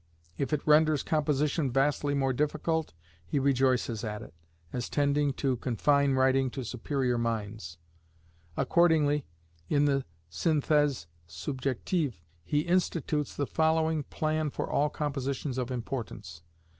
If it renders composition vastly more difficult, he rejoices at it, as tending to confine writing to superior minds. Accordingly, in the Synthèse Subjective, he institutes the following "plan for all compositions of importance."